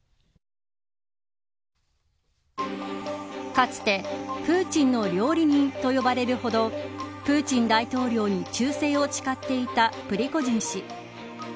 かつて、プーチンの料理人と呼ばれるほどプーチン大統領に忠誠を誓っていたプリゴジン氏。